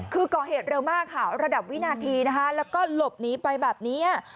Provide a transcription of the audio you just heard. คือก่อเหตุเร็วมากค่ะระดับวินาทีนะคะแล้วก็หลบหนีไปแบบนี้